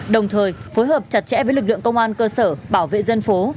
đồng thời phối hợp chặt chẽ với lực lượng công an cơ sở bảo vệ dân phố